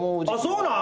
そうなん！？